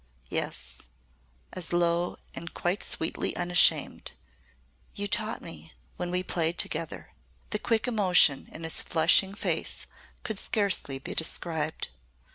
"Yes," as low and quite sweetly unashamed. "You taught me when we played together." The quick emotion in his flushing face could scarcely be described.